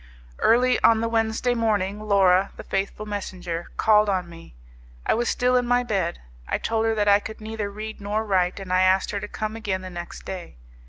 Early on the Wednesday morning, Laura, the faithful messenger, called on me; I was still in my bed: I told her that I could neither read nor write, and I asked her to come again the next day.